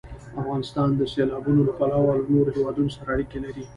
افغانستان د سیلابونو له پلوه له نورو هېوادونو سره اړیکې لري.